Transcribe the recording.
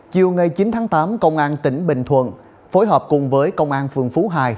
chiều ngày chín tháng tám công an tỉnh bình thuận phối hợp cùng với công an phường phú hai